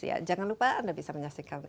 ya jangan lupa anda bisa menyaksikan